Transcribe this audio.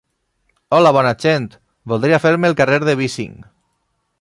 Hola bona gent, voldria fer-me el carnet de bicing.